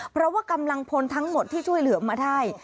เพราะว่ากำลังพลทั้งหมดที่ช่วยเหลือมาได้